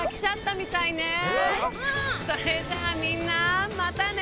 それじゃあみんなまたね！